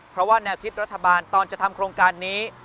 เพราะว่าแนวคิดรัฐบาลตอนจะทำโครงการนี้